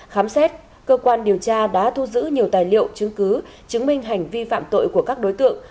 khám xét cơ quan điều tra đã thu giữ nhiều tài liệu chứng cứ chứng minh hành vi phạm tội của các đối tượng